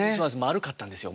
丸かったんですよ